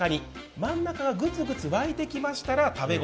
真ん中がグツグツ沸いてきましたら食べ頃。